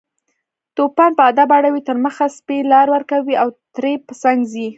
توپان په ادب اړوي تر مخه، څپې لار ورکوي او ترې په څنګ ځي